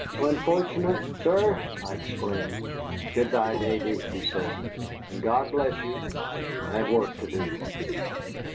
"Unfortunate, sir!" I exclaimed. "Good by, Davy," he said, "and God bless you. I have work to do."